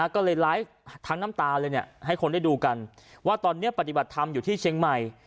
ก็เลยไลฟ์ทั้งน้ำตาเลยให้คนได้ดูกันว่าตอนนี้ปฏิบัติธรรมอยู่ที่เชียงใหม่